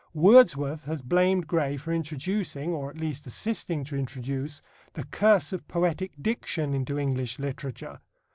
Wordsworth has blamed Gray for introducing, or at least, assisting to introduce, the curse of poetic diction into English literature.